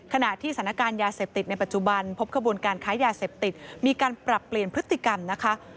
ขณะที่สถานการณ์ยาเสพติดในปัจจุบันพบขบวนการค้ายาเสพติดมีการปรับเปลี่ยนพฤติกรรมนะคะ